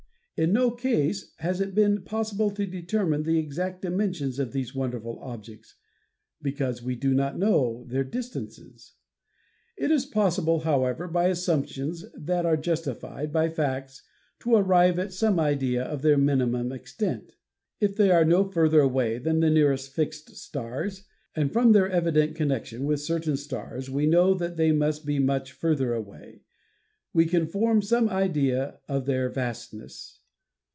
In no case has it been possible to determine the exact dimensions of these xvi INTRODUCTION wonderful objects, because we do not know their distances. It is possible, however, by assumptions that are justified by facts to arrive at some idea of their minimum extent. If they are no further away than the nearest fixed stars, and from their evident connection with certain stars we know that they must be much further away, we can form some idea of their vastness.